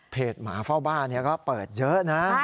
เพจหมาเฝ้าบ้านนี้ก็เปิดเยอะนะฮะ